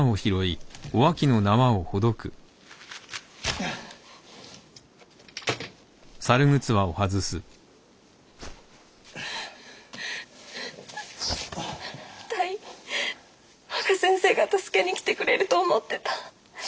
あたい若先生が助けに来てくれると思ってた。